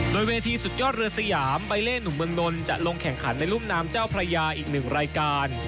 โดยเวทีสุดยอดเรือสยามใบเล่นุ่มเมืองนนท์จะลงแข่งขันในรุ่มน้ำเจ้าพระยาอีกหนึ่งรายการ